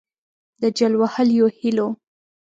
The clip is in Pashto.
د جل وهلیو هِیلو